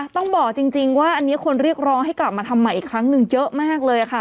ต้องบอกจริงว่าอันนี้คนเรียกร้องให้กลับมาทำใหม่อีกครั้งหนึ่งเยอะมากเลยค่ะ